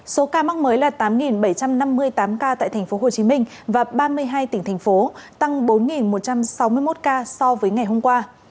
số ca mắc mới là tám bảy trăm năm mươi tám ca tại tp hcm và ba mươi hai tỉnh thành phố tăng bốn một trăm sáu mươi một ca so với ngày hôm qua